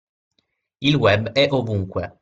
Il web è ovunque.